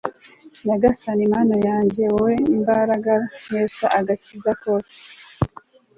nyagasani mana yanjye, wowe mbaraga nkesha agakiza kose